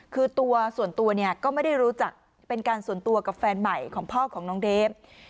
คือตัวส่วนตัวเนี่ยก็ไม่ได้รู้จักเป็นการส่วนตัวกับแฟนใหม่ของพ่อของน้องเดฟ